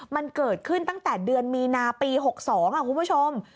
มันเกิดขึ้นตั้งแต่เดือนมีนาปี๖๒คุณผู้ชม